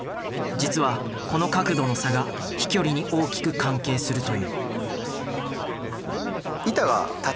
実はこの角度の差が飛距離に大きく関係するという。